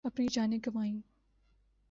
اپنی جانیں گنوائیں